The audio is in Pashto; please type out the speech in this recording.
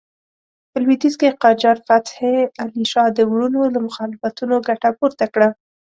په لوېدیځ کې قاجار فتح علي شاه د وروڼو له مخالفتونو ګټه پورته کړه.